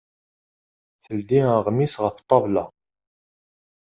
Teldi aɣmis ɣef ṭṭabla.